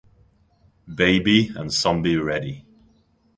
Baby" and "Zombie Reddy.